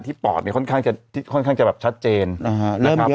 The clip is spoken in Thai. ที่ปอดค่อนข้างจะชัดเจนนะครับ